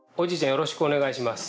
よろしくお願いします。